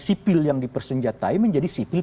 sipil yang dipersenjatai menjadi sipil